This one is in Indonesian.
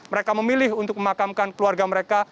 mereka memilih untuk memakamkan keluarga mereka